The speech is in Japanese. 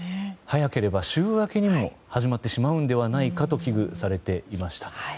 早ければ週明けにも始まってしまうのではと危惧されていました。